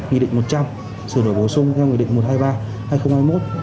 quy định một trăm linh sửa đổi bổ sung theo quy định một hai ba hai nghìn hai mươi một